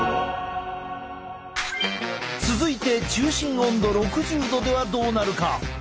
続いて中心温度６０℃ではどうなるか？